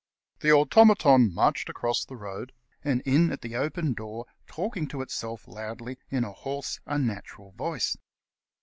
The automaton marched across the road and in at the open door, talking to itself loudly in a hoarse, unnatural voice.